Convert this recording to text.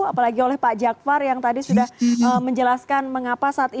apalagi oleh pak jakfar yang tadi sudah menjelaskan mengapa saat ini